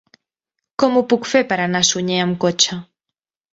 Com ho puc fer per anar a Sunyer amb cotxe?